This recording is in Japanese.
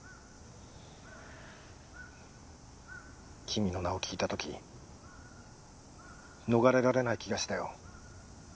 君の名を聞いた時逃れられない気がしたよ。